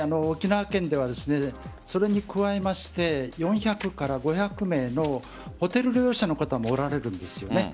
沖縄県では、それに加えまして４００５００名のホテル療養者の方もおられるんです。